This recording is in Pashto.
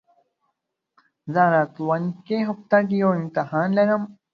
زه راتلونکي هفته کي يو امتحان لرم